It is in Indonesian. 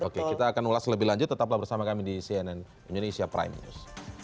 oke kita akan ulas lebih lanjut tetaplah bersama kami di cnn indonesia prime news